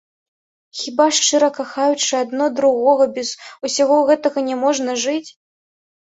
Хіба ж, шчыра кахаючы адно другога, без усяго гэтага няможна жыць?